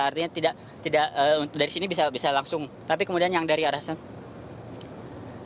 artinya tidak dari sini bisa langsung tapi kemudian yang dari arah sana